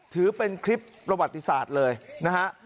ถือเป็นคลิปประวัติศาสตร์เลยนะฮะ